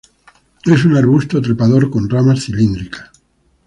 Es un arbusto trepador con ramas cilíndricas.